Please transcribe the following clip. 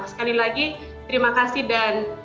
sekali lagi terima kasih dan